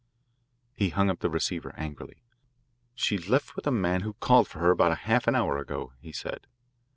He hung up the receiver angrily. "She left with a man who called for her about half an hour ago," he said.